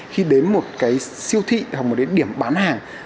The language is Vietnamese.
khi đến một cái siêu thị hoặc một cái điểm bán hàng